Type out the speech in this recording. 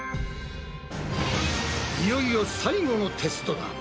いよいよ最後のテストだ！